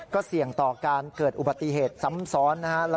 ก็เสี่ยงต่อการเกิดอุบัติเหตุซ้ำซ้อนนะฮะ